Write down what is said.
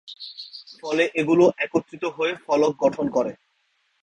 ফলে এগুলো একত্রিত হয়ে ফলক গঠন করে।